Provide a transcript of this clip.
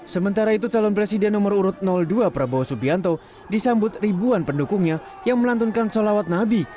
sementara itu calon presiden nomor urut dua prabowo subianto disambut ribuan pendukungnya yang melantunkan sholawat nabi